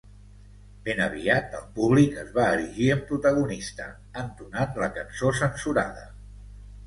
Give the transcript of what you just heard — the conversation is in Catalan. Ben aviat el públic es va erigir en protagonista entonant la cançó censurada.